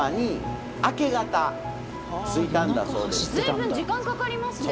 随分時間かかりますね。